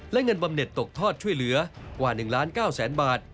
และเงินบำเน็ตตกทอดช่วยเหลือกว่า๑ล้าน๙แสนบาท